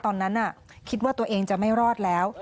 ตอนนั้นคิดว่าตัวเองจะไม่รอดแล้ว